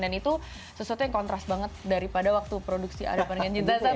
dan itu sesuatu yang kontras banget daripada waktu produksi ada peringan cinta satu